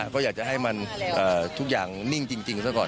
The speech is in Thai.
ก็อยากจะให้มันทุกอย่างนิ่งจริงซะก่อน